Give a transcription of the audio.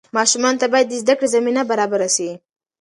ماشومانو ته باید د زده کړې زمینه برابره سي.